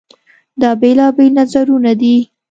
دا بېلابېل نظرونه دي.